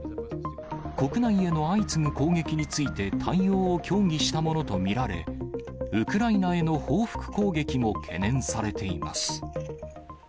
国内への相次ぐ攻撃について対応を協議したものと見られ、ウクライナへの報復攻撃も懸念されています。